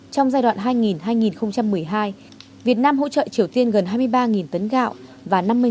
trong giai đoạn hai nghìn hai nghìn một mươi hai việt nam hỗ trợ triều tiên gần hai mươi ba tấn gạo và năm mươi đô la mỹ